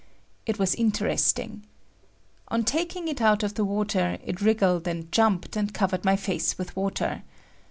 It was interesting. On taking it out of the water, it wriggled and jumped, and covered my face with water.